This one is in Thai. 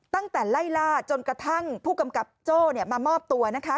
ตั้งแต่ไล่ล่าจนกระทั่งผู้กำกับโจ้มามอบตัวนะคะ